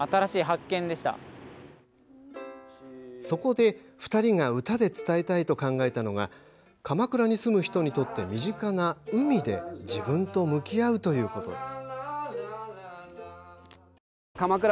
そこで２人が歌で伝えたいと考えたのが鎌倉に住む人にとって身近な海で自分と向き合うということ。